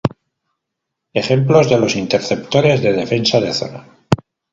Ejemplos de interceptores de defensa de zona